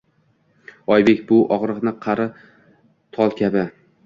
Oybek — bu og’riqni qari tol kabi